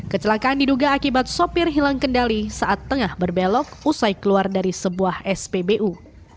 kecelakaan diduga akibat sopir hilang kendali saat tengah berbelok usai keluar dari sebuah spbu